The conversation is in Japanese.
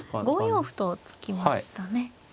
５四歩と突きましたね。